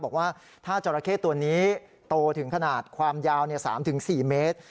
บอกว่าถ้าจราเข้ตัวนี้โตถึงขนาดความยาว๓๔เมตร